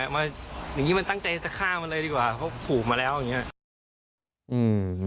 มาอย่างนี้มันตั้งใจจะฆ่ามันเลยดีกว่าเพราะผูกมาแล้วอย่างนี้